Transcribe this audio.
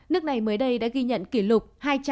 nước này mới đây đã ghi nhận kỷ lục